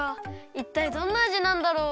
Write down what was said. いったいどんなあじなんだろう？